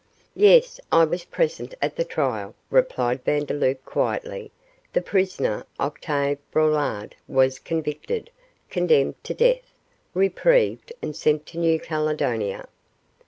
'Yes, I was present at the trial,' replied Vandeloup, quietly; 'the prisoner Octave Braulard was convicted, condemned to death, reprieved, and sent to New Caledonia.